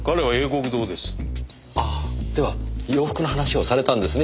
ああでは洋服の話をされたんですね？